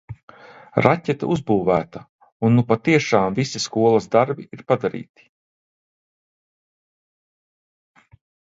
Raķete uzbūvēta, un nu patiešām visi skolas darbi ir padarīti.